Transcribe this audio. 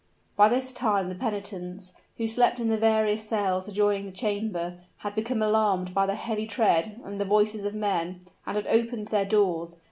By this time the penitents, who slept in the various cells adjoining the chamber, had become alarmed by the heavy tread and the voices of men, and had opened their doors.